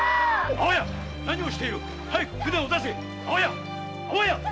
〔何をしている早く舟を出せ！〕